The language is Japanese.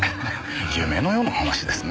夢のような話ですね。